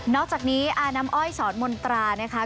อกจากนี้อาน้ำอ้อยสอนมนตรานะคะ